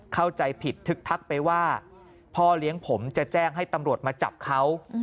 เข้าใจผิดทึกทักไปว่าพ่อเลี้ยงผมจะแจ้งให้ตำรวจมาจับเขา